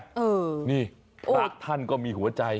เออนี่พระท่านก็มีหัวใจ